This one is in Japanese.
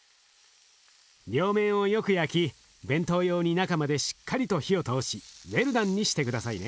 両面をよく焼き弁当用に中までしっかりと火を通しウェルダンにして下さいね。